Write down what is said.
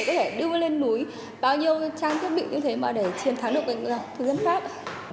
có thể đưa lên núi bao nhiêu trang thiết bị như thế mà để chiến thắng được thực dân pháp